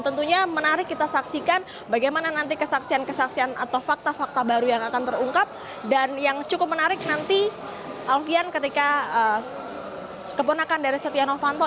tentunya menarik kita saksikan bagaimana nanti kesaksian kesaksian atau fakta fakta baru yang akan terungkap dan yang cukup menarik nanti alfian ketika keponakan dari setia novanto